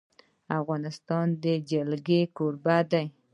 افغانستان د جلګه کوربه دی.